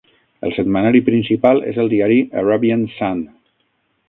El setmanari principal és el diari "Arabian Sun".